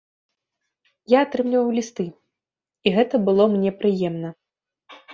Я атрымліваў лісты, і гэта было мне прыемна.